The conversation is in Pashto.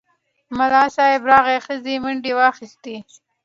ملا صیب راغی، ښځې منډه واخیسته.